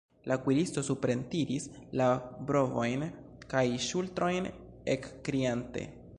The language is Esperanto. La kuiristo suprentiris la brovojn kaj ŝultrojn, ekkriante: